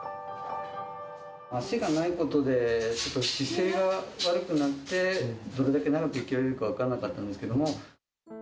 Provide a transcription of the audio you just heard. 脚がないことで、ちょっと姿勢が悪くなって、どれだけ長く生きられるか分からなかったんですけれども。